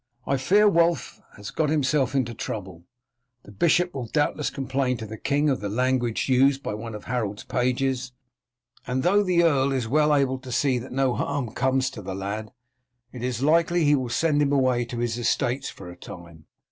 I fear Wulf has got himself into trouble. The bishop will doubtless complain to the king of the language used by one of Harold's pages, and though the earl is well able to see that no harm comes to the lad, it is likely he will send him away to his estates for a time.